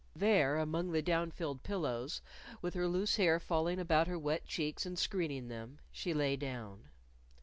There, among the down filled pillows, with her loose hair falling about her wet cheeks and screening them, she lay down.